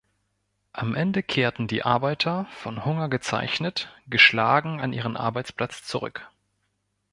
Am Ende kehrten die Arbeiter, von Hunger gezeichnet, geschlagen an ihren Arbeitsplatz zurück.